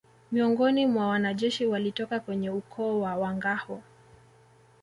Miongoni mwa wanajeshi walitoka kwenye ukoo wa Wangâhoo